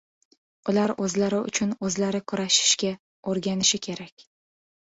ular o‘zlari uchun o‘zlari kurashishga o‘rganishi kerak.